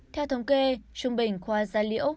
theo thống kê trung bình khoa gia liệu